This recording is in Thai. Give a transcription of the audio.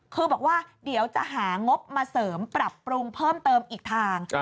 คือบอกว่าเดี๋ยวจะหางบมาเสริมปรับปรุงเพิ่มเติมอีกทาง